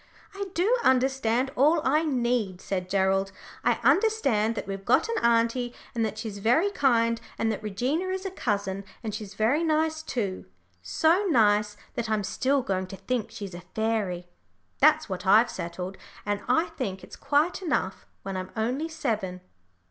"I do understand all I need," said Gerald; "I understand that we've got an auntie, and that she's very kind, and that Regina is a cousin, and she's very nice too so nice that I'm still going to think she's a fairy. That's what I've settled, and I think it's quite enough when I'm only seven."